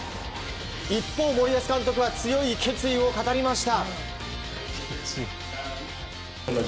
一方、森保監督は強い決意を語りました。